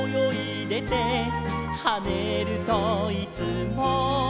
「はねるといつも」